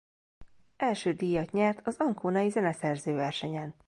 Első díjat nyert az anconai zeneszerző versenyen.